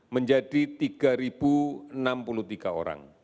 menjadi tiga enam puluh tiga orang